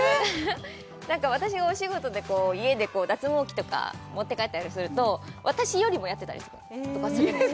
何か私がお仕事で家でこう脱毛器とか持って帰ったりすると私よりもやってたりとかするんですよ